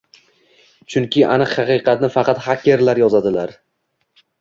Chunki aniq haqiqatni faqat xakerlar yozadilar